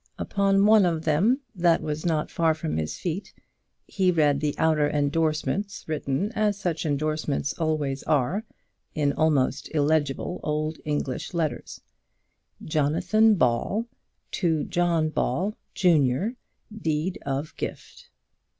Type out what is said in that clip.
Upon one of them, that was not far from his feet, he read the outer endorsements written as such endorsements always are, in almost illegible old English letters "Jonathan Ball, to John Ball, junior Deed of Gift."